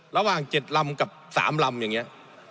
ระหว่าง๗ลำกับ๓ลำอย่างนี้